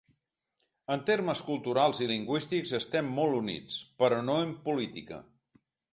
En termes culturals i lingüístics estem molt units, però no en política.